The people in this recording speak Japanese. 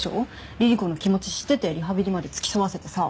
リリ子の気持ち知っててリハビリまで付き添わせてさ